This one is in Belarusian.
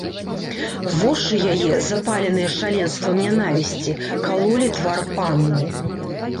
Вочы яе, запаленыя шаленствам нянавісці, калолі твар панны.